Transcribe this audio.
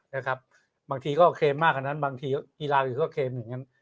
นะครับบางทีก็เคลมมากกว่านั้นบางทีกีฬาก็เคลมอย่างงั้น